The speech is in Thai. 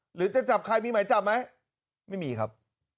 หรือจะจับใครมีหมายจับไหมไม่มีครับ